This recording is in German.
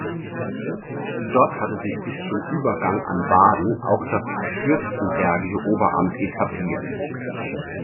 Dort hatte sich bis zum Übergang an Baden auch das fürstenbergische Oberamt etabliert.